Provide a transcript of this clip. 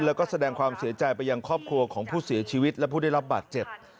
แล้วก็แสดงความเสียใจไปยังครอบครัวของผู้เสียชีวิตและผู้ได้รับบาดเจ็บ